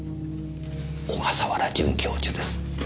小笠原准教授です。